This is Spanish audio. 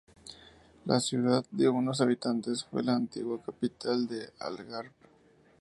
La ciudad, de unos habitantes, fue la antigua capital del Algarve.